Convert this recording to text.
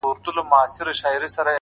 ژوند سرینده نه ده! چي بیا یې وږغوم!